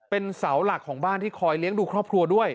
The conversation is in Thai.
เป็นเสาหลักของบ้านที่คอยเลี้ยงดูครอบครัวด้วย